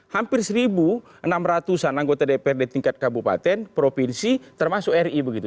hampir satu enam ratus an anggota dprd tingkat kabupaten provinsi termasuk ri begitu